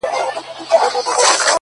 o ه ستا د سترگو احترام نه دی. نو څه دی.